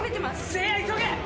せいや急げ！